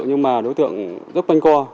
nhưng mà đối tượng rất manh co